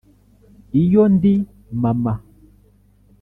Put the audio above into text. iyo ndi mama